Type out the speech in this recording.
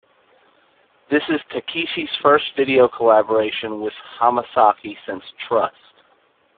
This is Takeishi's first video collaboration with Hamasaki since "Trust".